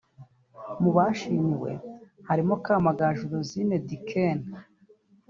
Mu bashimiwe harimo Kamagaju Rosine Duquesne